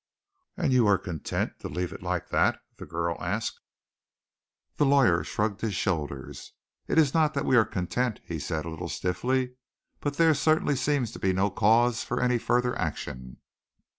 "And you are content to leave it like that?" the girl asked. The lawyer shrugged his shoulders. "It is not that we are content," he said, a little stiffly, "but there certainly seems to be no cause for any further action."